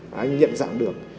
để anh nhận dạng được